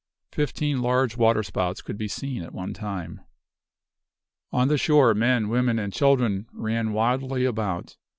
Fifteen large waterspouts could be seen at one time. On the shore, men, women and children ran wildly about.